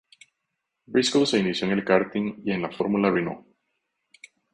Briscoe se inició en el karting y en la Fórmula Renault.